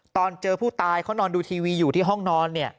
ตอนเจอผู้ตายเขานอนดูทีวีอยู่ที่ห้องนอน